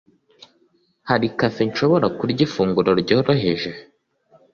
Hari cafe nshobora kurya ifunguro ryoroheje?